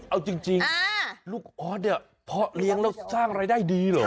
เอาจริงลูกออสเนี่ยเพาะเลี้ยงแล้วสร้างรายได้ดีเหรอ